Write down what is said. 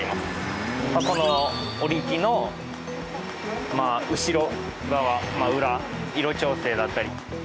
この折り機の後ろ側裏色調整だったり。